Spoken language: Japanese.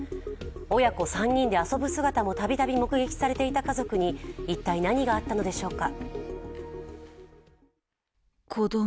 親子３人で遊ぶ姿もたびたび目撃されていた家族に一体、何があったのでしょうか。